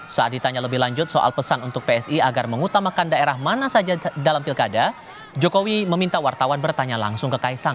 saat ditanya lebih lanjut soal pesan untuk psi agar mengutamakan daerah mana saja dalam pilkada jokowi meminta wartawan bertanya langsung ke kaisang